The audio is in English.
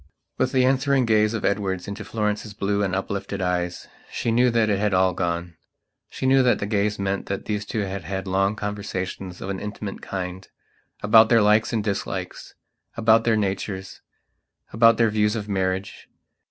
With the answering gaze of Edward into Florence's blue and uplifted eyes, she knew that it had all gone. She knew that that gaze meant that those two had had long conversations of an intimate kindabout their likes and dislikes, about their natures, about their views of marriage.